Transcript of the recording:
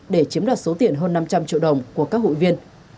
để chiếm đoạt số tiền hơn năm trăm linh triệu đồng của các hội viên